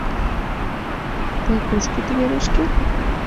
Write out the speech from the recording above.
Тый кушко тыге вашкет?